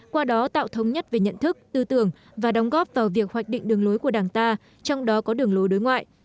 qua đó tạo thống nhất về nhận thức tư tưởng và đóng góp vào việc hoạch định đường lối của đảng ta trong đó có đường lối đối ngoại